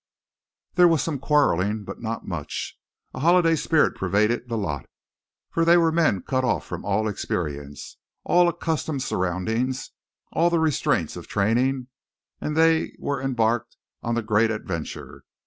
There was some quarrelling, but not much. A holiday spirit pervaded the lot; for they were men cut off from all experience, all accustomed surroundings, all the restraints of training, and they were embarked on the great adventure.